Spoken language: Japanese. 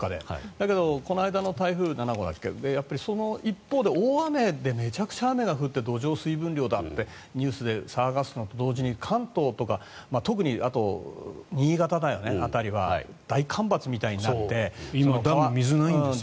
だけど、この間の台風７号でその一方で大雨でめちゃくちゃ雨が降って土壌水分量だってニュースで騒がれたのと同時に関東とか特に新潟辺りは大干ばつみたいになって今ダムが水がないんですよね。